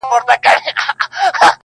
اوس هم هغو خلکو ته چې مکتب ته ځي